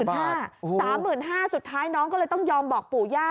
๓๕๐๐สุดท้ายน้องก็เลยต้องยอมบอกปู่ย่า